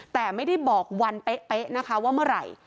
แต่ไม่ได้บอกวันเป๊ะนะคะว่าเมื่อไหร่